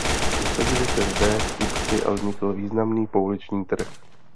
Usadili se zde kupci a vznikl významný pouliční trh.